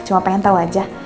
cuma pengen tau aja